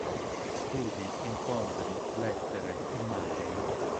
Studi, incontri, lettere, immagini".